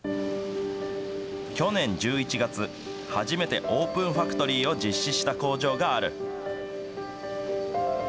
去年１１月、初めてオープンファクトリーを実施した工場がある。